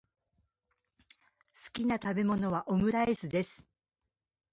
好きな食べ物はオムライスです。